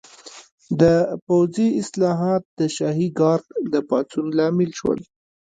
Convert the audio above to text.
د پوځي اصلاحات د شاهي ګارډ د پاڅون لامل شول.